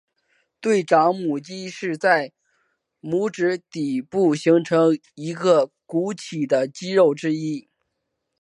对掌拇肌是在拇指底部形成一个鼓起的肌肉之一。